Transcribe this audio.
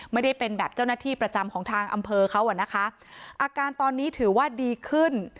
ไม่ได้เป็นแบบเจ้าหน้าที่ประจำของทางอำเภอเขาอ่ะนะคะอาการตอนนี้ถือว่าดีขึ้น